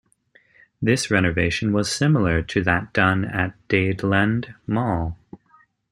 This renovation was similar to that done at Dadeland Mall.